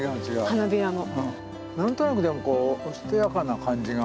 花びらも。